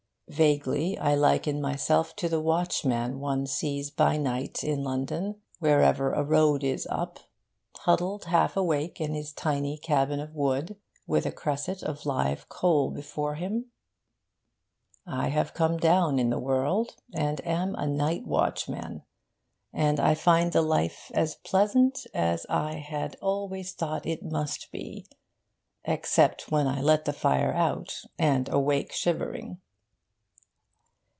Vaguely I liken myself to the watchman one sees by night in London, wherever a road is up, huddled half awake in his tiny cabin of wood, with a cresset of live coal before him.... I have come down in the world, and am a night watchman, and I find the life as pleasant as I had always thought it must be, except when I let the fire out, and awake shivering....